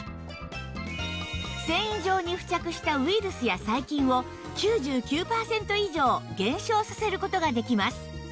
繊維上に付着したウイルスや細菌を９９パーセント以上減少させる事ができます